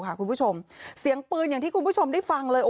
กลุ่มน้ำเบิร์ดเข้ามาร้านแล้ว